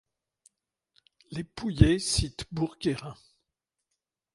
Les pouillés citent Bourguérin.